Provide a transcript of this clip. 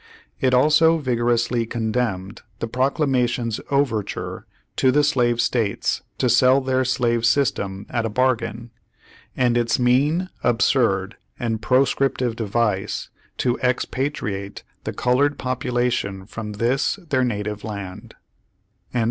It also vigorously condemned the Pro clamation's overture to the slave states to sell their slave system at a bargain — and its mean, absurd and proscriptive device to expatriate the colored population from this their native land."